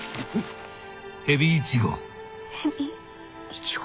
ヘビイチゴ。